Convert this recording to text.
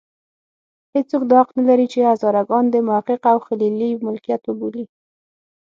هېڅوک دا حق نه لري چې هزاره ګان د محقق او خلیلي ملکیت وبولي.